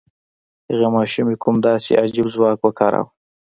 هغې ماشومې کوم داسې عجيب ځواک وکاراوه؟